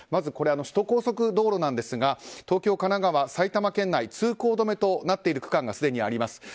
首都高速道路は東京、神奈川、埼玉県内で通行止めとなっている区間がすでにあります。